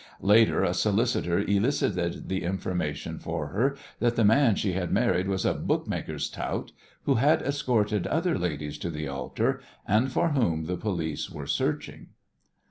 Later a solicitor elicited the information for her that the man she had married was a bookmaker's tout, who had escorted other ladies to the altar, and for whom the police were searching.